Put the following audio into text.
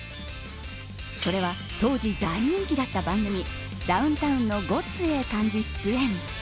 それは、当時大人気だった番組ダウンタウンのごっつええ感じ出演。